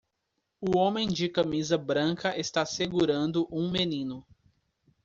O homem de camisa branca está segurando um menino